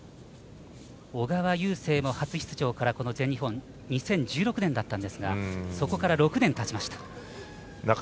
小川雄勢も初出場からこの全日本２０１６年だったんですがそこから６年たちました。